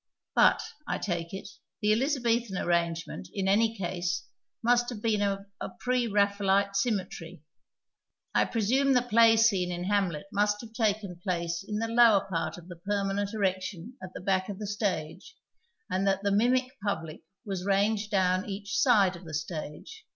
But, I take it, the Pjlizabcthan arrangement, in any case, must have been of a i)re Raphaelite symmetry. I presume the play scene in IluiaUi must ha\e taken 117 PASTICHE AND PREJUDICE place in the lower part of the permanent erection at the back of the stage and that the mimic public was ranged down each side of the stage.